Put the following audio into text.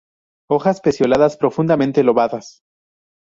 Hojas pecioladas, profundamente lobadas.